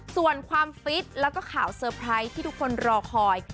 ส่วนความฟิตแล้วก็ข่าวเตอร์ไพรส์ที่ทุกคนรอคอย